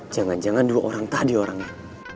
jangan jangan dulu orang tadi orangnya